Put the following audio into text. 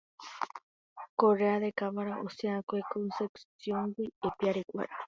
Correa da Cámara osẽʼakue Concepcióngui ipiarikuéra.